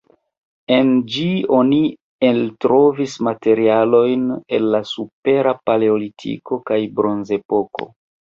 En ĝi oni eltrovis materialojn el la Supera paleolitiko kaj Bronzepoko.